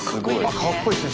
かっこいいですね。